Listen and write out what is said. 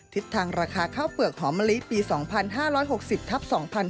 ทิศทางราคาข้าวเปลือกหอมะลิปี๒๕๖๐ทับ๒๕๕๙